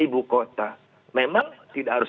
ibu kota memang tidak harus